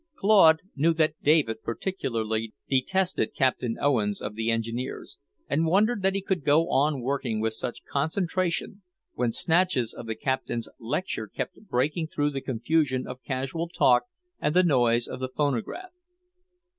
Claude knew that David particularly detested Captain Owens of the Engineers, and wondered that he could go on working with such concentration, when snatches of the Captain's lecture kept breaking through the confusion of casual talk and the noise of the phonograph.